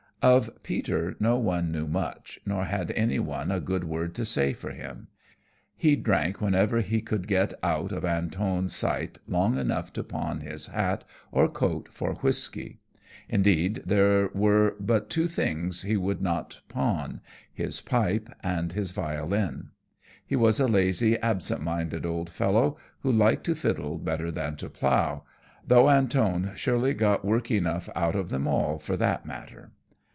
Of Peter no one knew much, nor had any one a good word to say for him. He drank whenever he could get out of Antone's sight long enough to pawn his hat or coat for whiskey. Indeed there were but two things he would not pawn, his pipe and his violin. He was a lazy, absent minded old fellow, who liked to fiddle better than to plow, though Antone surely got work enough out of them all, for that matter.